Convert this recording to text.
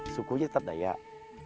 sukunya tetap dayak